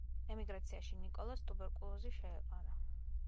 ემიგრაციაში, ნიკოლოზს ტუბერკულოზი შეეყარა.